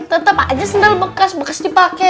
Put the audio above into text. tetep aja sendal bekas bekas dipake